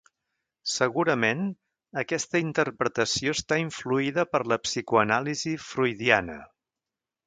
Segurament, aquesta interpretació està influïda per la psicoanàlisi freudiana.